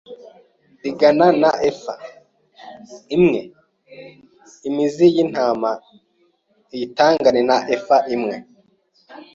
ringana na efa imwe im zi y intama ayitangane na efa imwe